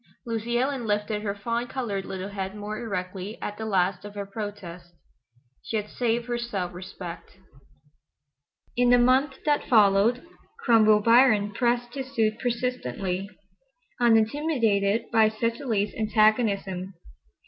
Lucy Ellen lifted her fawn colored little head more erectly at the last of her protest. She had saved her self respect. In the month that followed Cromwell Biron pressed his suit persistently, unintimidated by Cecily's antagonism.